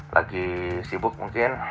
lagi sibuk mungkin